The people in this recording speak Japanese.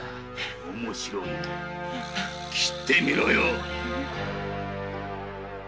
面白い斬ってみろよ